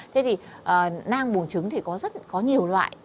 thế thì nang buông trứng thì có rất nhiều loại